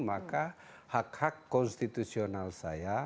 maka hak hak konstitusional saya